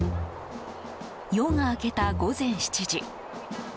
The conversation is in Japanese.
夜が明けた午前７時。